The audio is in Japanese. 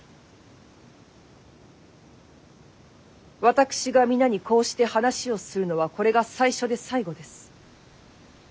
「私が皆にこうして話をするのはこれが最初で最後です。